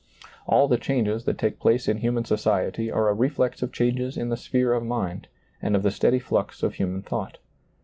All the changes that take place in human society are a reflex of changes in the sphere of mind and of the steady flux of hu man thought.